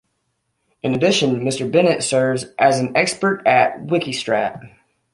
In addition, Mr. Bennett serves as an Expert at Wikistrat.